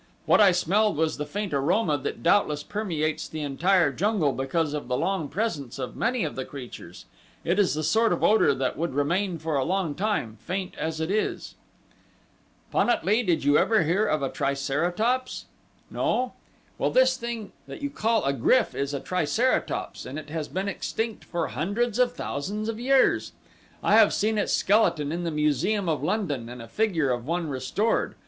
"What I smelled was the faint aroma that doubtless permeates the entire jungle because of the long presence of many of the creatures it is the sort of odor that would remain for a long time, faint as it is. "Pan at lee, did you ever hear of a triceratops? No? Well this thing that you call a GRYF is a triceratops and it has been extinct for hundreds of thousands of years. I have seen its skeleton in the museum in London and a figure of one restored.